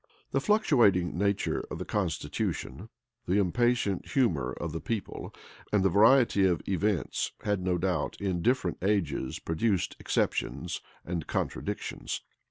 The fluctuating nature of the constitution, the impatient humor of the people, and the variety of events, had, no doubt, in different ages, produced exceptions and contradictions.